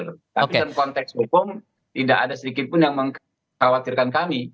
tapi dalam konteks hukum tidak ada sedikit pun yang mengkhawatirkan kami